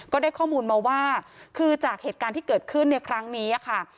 ก็ได้ข้อมูลมาว่าคือจากเหตุการณ์ที่เกิดขึ้นในครั้งนี้ค่ะ